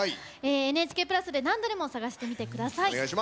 「ＮＨＫプラス」で何度でも探してみてください。